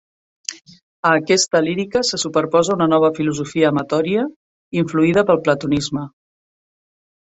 A aquesta lírica se superposa una nova filosofia amatòria influïda pel platonisme.